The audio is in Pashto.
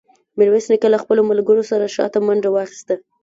میرویس نیکه له خپلو ملګرو سره شاته منډه واخیسته.